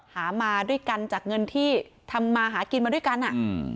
มาด้วยกันจากเงินที่ทำมาหากินมาด้วยกันอ่ะอืม